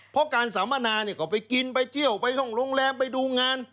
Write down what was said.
เพราะการสัมมนาเนี่ยก็ไปกินไปเที่ยวไปห้องโรงแรมไปดูงาน